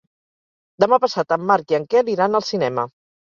Demà passat en Marc i en Quel iran al cinema.